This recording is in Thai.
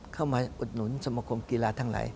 เข้ามาอดหนุนสมคมกีฬาทั้งหลาย